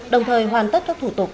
đồng thời hoàn tất các thủ tục